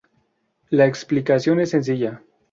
La explicación es sencilla.